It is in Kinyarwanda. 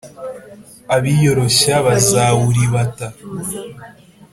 Abiyoroshya bazawuribata,